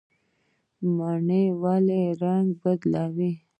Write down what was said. مڼه ولې رنګ بدلوي؟